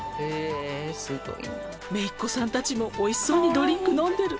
「めいっ子さんたちもおいしそうにドリンク飲んでる」